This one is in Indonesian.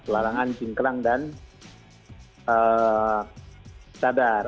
larangan cingkrang dan cadar